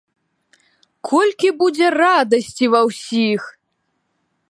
Колькі будзе радасці ва ўсіх!